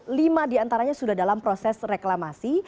dari total tujuh belas pulau lima diantaranya sudah dalam proses reklamasi